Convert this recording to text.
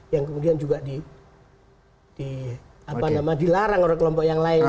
yang kemudian juga dilarang oleh kelompok yang lain